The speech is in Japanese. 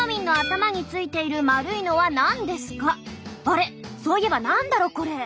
あれそういえば何だろこれ？